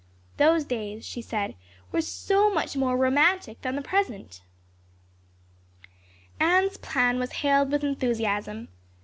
Those days, she said, were so much more romantic than the present. Anne's plan was hailed with enthusiasm.